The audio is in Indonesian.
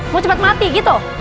mau cepat mati gitu